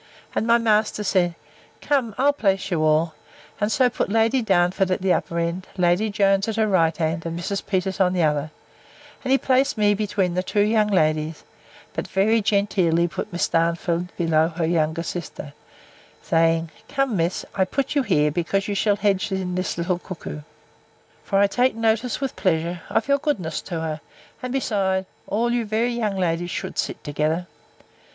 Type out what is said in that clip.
And my master said, Come, I'll place you all: and so put Lady Darnford at the upper end, Lady Jones at her right hand, and Mrs. Peters on the other; and he placed me between the two young ladies; but very genteelly put Miss Darnford below her younger sister; saying, Come, miss, I put you here, because you shall hedge in this little cuckow; for I take notice, with pleasure, of your goodness to her; and, besides, all you very young ladies should sit together.